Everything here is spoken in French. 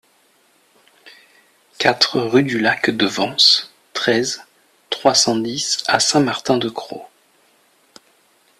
quatre rue du Lac de Vens, treize, trois cent dix à Saint-Martin-de-Crau